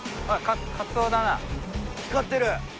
光ってる。